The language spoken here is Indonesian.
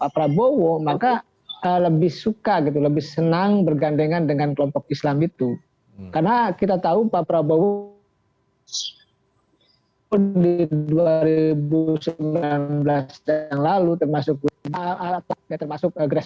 terkecuali dua nama itu yang terus kita diskusi